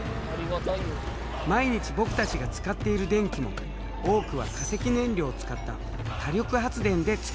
毎日僕たちが使っている電気も多くは化石燃料を使った火力発電で作られたもの。